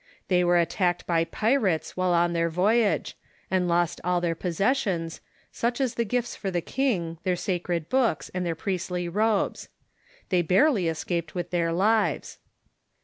They were attacked by pirates Avhile on Sweden .. their voyage, and lost all their possessions, such as the gifts for the king, their sacred books, and their jjriestly robes. They barely escaped with their lives.